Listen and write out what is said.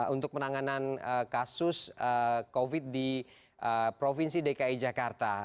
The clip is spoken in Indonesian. untuk penanganan kasus covid di provinsi dki jakarta